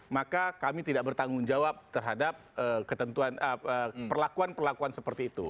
maka kami tidak bertanggung jawab terhadap perlakuan perlakuan seperti itu